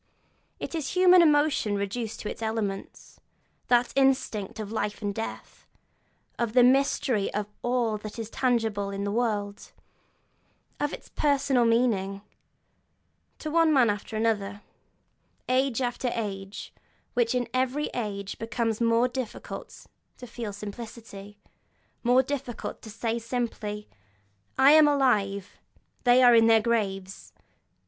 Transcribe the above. It is human emotion reduced to its elements; that instinct of life and death, of the mystery of all that is tangible in the world, of its personal meaning, to one man after another, age after age, which in every age becomes more difficult to feel simply, more difficult to say simply. 'I am alive, they are in their graves!'